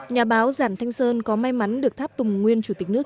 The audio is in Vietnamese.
nhà báo giản thanh sơn có may mắn được tháp tùng nguyên chủ tịch nước